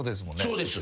そうです。